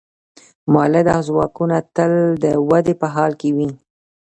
مؤلده ځواکونه تل د ودې په حال کې وي.